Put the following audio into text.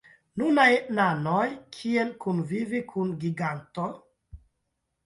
Nunaj nanoj: kiel kunvivi kun giganto?